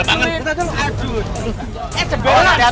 sekarang kita meraikan